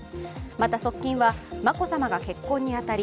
また側近は、眞子さまが結婚に当たり、